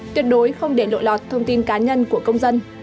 tuyệt đối không để lộ lọt thông tin cá nhân của công dân